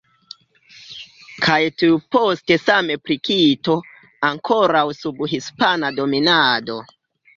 Kaj tuj poste same pri Kito, ankoraŭ sub hispana dominado.